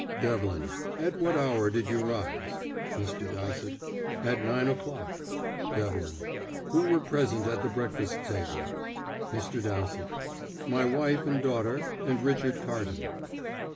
Devlin: "At what hour did you rise?" Mr. Dowsett: "At nine o'clock." Devlin: "Who were present at the breakfast table?" Mr. Dowsett: "My wife and daughter, and Richard Carton."